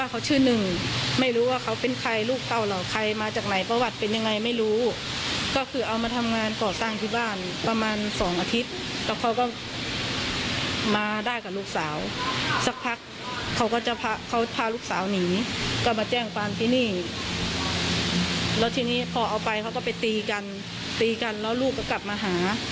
พอเอาไปเขาก็ไปตีกันตีกันแล้วลูกก็กลับมาหา